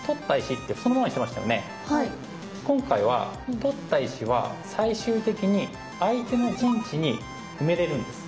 今回は取った石は最終的に相手の陣地に埋めれるんです。